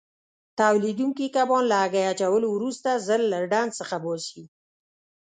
تولیدوونکي کبان له هګۍ اچولو وروسته ژر له ډنډ څخه باسي.